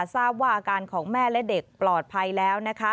ทราบว่าอาการของแม่และเด็กปลอดภัยแล้วนะคะ